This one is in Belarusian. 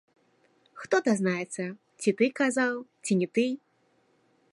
Хто дазнаецца, ці ты сказаў, ці не ты?